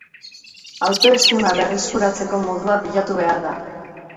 Autoestima berreskuratzeko modua bilatu behar da.